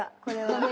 これは。